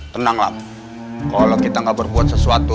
tenang lah kalo kita gak berbuat sesuatu